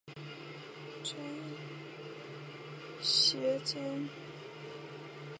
斜肩芋螺为芋螺科芋螺属下的一个种。